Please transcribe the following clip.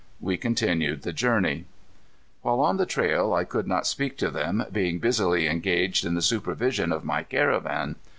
We continued the journey. While on the trail I could not speak to them, being busily engaged in the supervision of my caravan.